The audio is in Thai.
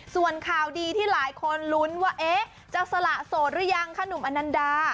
ส่วนข่าวดีที่หลายคนลุ้นว่าจะสละโสดหรือยังคะหนุ่มอนันดา